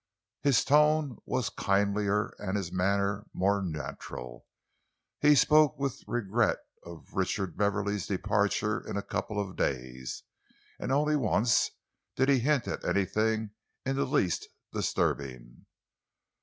His tone was kindlier and his manner more natural. He spoke with regret of Richard Beverley's departure in a couple of days, and only once did he hint at anything in the least disturbing.